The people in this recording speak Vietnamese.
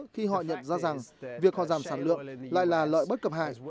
khi họ nhận ra rằng việc họ giảm sản lượng lại là lợi bất cập hại